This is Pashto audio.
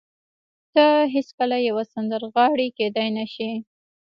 ته هېڅکله يوه سندرغاړې کېدای نه شې.